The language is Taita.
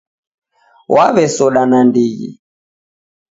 Waw'esoda nandighi